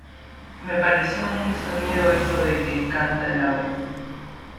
Me pareció muy sonido eso de que “canta el agua".